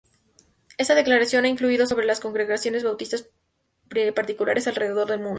Esta declaración ha influido sobre las congregaciones bautistas particulares alrededor del mundo.